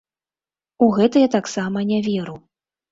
У гэта я таксама не веру.